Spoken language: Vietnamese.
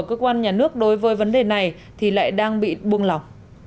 cơ quan nhà nước đối với vấn đề này thì lại đang bị buông lỏng